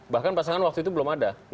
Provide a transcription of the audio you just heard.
bahkan pasangan waktu itu belum ada